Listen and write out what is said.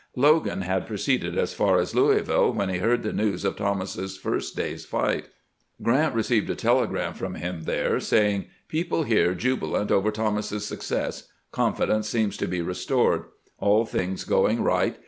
Logan had proceeded as far as Louisville when he heard the news of Thomas's first day's fight. Glrant re ceived a telegram from him there, saying :" People here jubilant over Thomas's success. Confidence seems to be restored. ... All things going right.